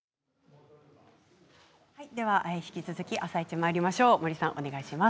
引き続き「あさイチ」まいりましょう。